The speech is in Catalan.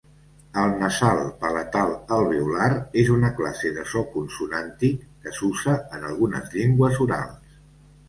El nasal palatal alveolar és una classe de so consonàntic que s'usa en algunes llengües orals.